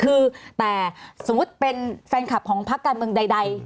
คือแต่สมมุติเป็นแฟนคลับของพักการเมืองใด